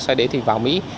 sau đấy thì vào mỹ